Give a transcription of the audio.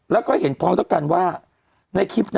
แล้วก็เห็นพร้อมต้องการว่า